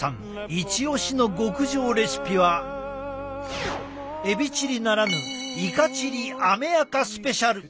イチオシの極上レシピはエビチリならぬイカチリアメアカスペシャル。